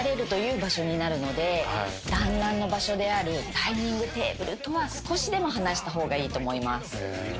だんらんの場所であるダイニングテーブルとは少しでも離した方がいいと思います。